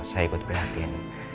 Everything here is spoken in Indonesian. saya ikut berhati hati